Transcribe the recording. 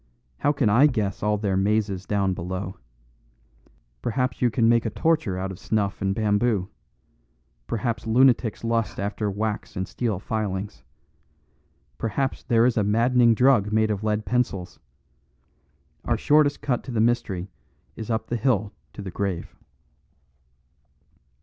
How can I guess all their mazes down below? Perhaps you can make a torture out of snuff and bamboo. Perhaps lunatics lust after wax and steel filings. Perhaps there is a maddening drug made of lead pencils! Our shortest cut to the mystery is up the hill to the grave."